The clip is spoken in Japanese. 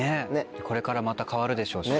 これからまた変わるでしょうし。